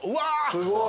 すごい！